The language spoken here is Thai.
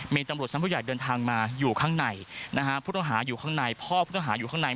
มีตำรวจชั้นผู้ใหญ่เดินทางมาอยู่ข้างในนะฮะผู้ต้องหาอยู่ข้างในพ่อผู้ต้องหาอยู่ข้างใน